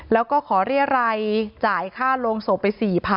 แล้วก็ขอเรียรัยจ่ายค่าโรงศพไป๔๐๐๐